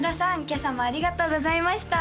今朝もありがとうございました